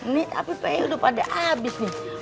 nih tapi pe udah pada abis nih